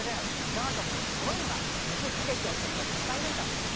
ガードマンはむくつけき男がいっぱいいるんだもん。